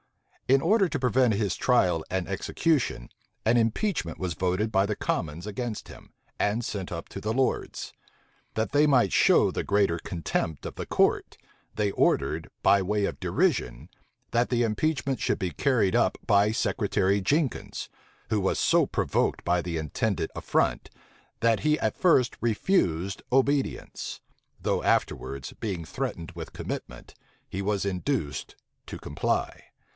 In order to prevent his trial and execution, an impeachment was voted by the commons against him, and sent up to the lords. That they might show the greater contempt of the court, they ordered, by way of derision, that the impeachment should be carried up by Secretary Jenkins; who was so provoked by the intended affront, that he at first refused obedience; though afterwards, being threatened with commitment, he was induced to comply.